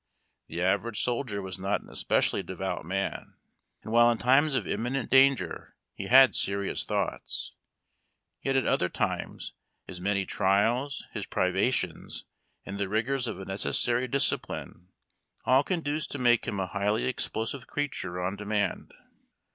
The average soldier was not an especially devout man, and while in times of imminent danger he had serious thoughts, yet at other times his many trials, his privations, and the rigors of a necessary discipline THE CAMP FIRE AFTER THE JONAH APPEARS. all conduced to make him a highly explosive creature on demand.